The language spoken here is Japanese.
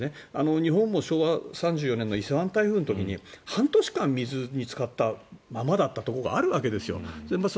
日本も昭和３４年の伊勢湾台風で半年間水につかったままのところがあるわけですよ。